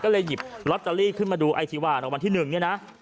ก็เลยหยิบลอทเตอรี่มาดูไอ้ชิวารดำวัลที่๑เนี่ยนะ